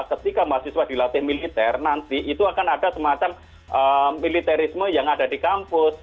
ketika mahasiswa dilatih militer nanti itu akan ada semacam militerisme yang ada di kampus